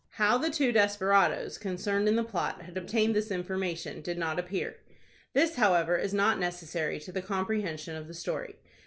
How the two desperadoes concerned in the plot had obtained this information did not appear. This, however, is not necessary to the comprehension of the story.